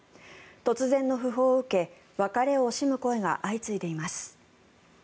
突然の訃報を受け別れを惜しむ声が相次いでいます。